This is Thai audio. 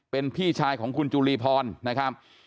เป็นพี่ชายของคุณจุลีพรนะครับ